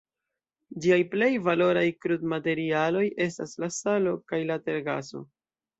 Ĝiaj plej valoraj krudmaterialoj estas la salo kaj la tergaso.